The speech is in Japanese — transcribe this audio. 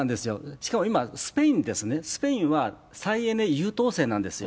しかも今、スペインですね、スペインは再エネ優等生なんですよ。